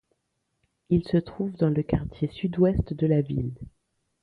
Il se trouve dans le quartier Sud-Ouest de la ville.